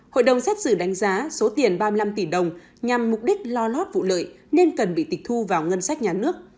hội đồng xét xử đánh giá số tiền ba mươi năm tỷ đồng nhằm mục đích lo lót vụ lợi nên cần bị tịch thu vào ngân sách nhà nước